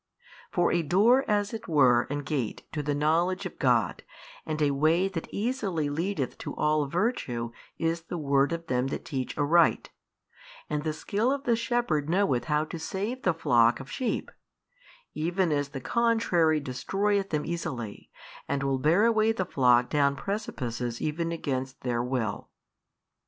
For a door as it were and gate to the knowledge of God, and a way that easily leadeth to all virtue is the word of them that teach aright, and the skill of the shepherd knoweth how to save the flock of sheep: even as the contrary destroyeth them easily, and will bear away the flock down precipices even against their will.